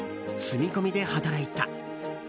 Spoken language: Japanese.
住み込みで働いた。